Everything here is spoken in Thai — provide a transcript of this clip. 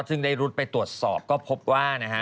ซึ่งได้รุดไปตรวจสอบก็พบว่านะฮะ